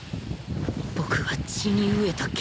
僕は血に飢えた獣